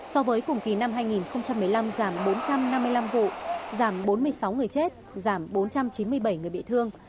so với cùng kỳ năm hai nghìn một mươi năm giảm bốn trăm năm mươi năm vụ giảm bốn mươi sáu người chết giảm bốn trăm chín mươi bảy người bị thương